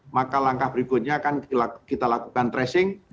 maka langkah berikutnya akan kita lakukan tracing